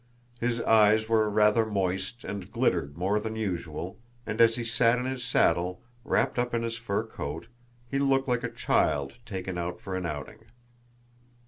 His eyes were rather moist and glittered more than usual, and as he sat in his saddle, wrapped up in his fur coat, he looked like a child taken out for an outing.